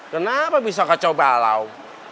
kenapa bisa kacau balau